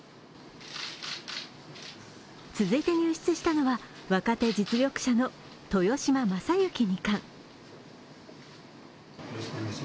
続いて入室したのは、若手実力者の豊島将之二冠。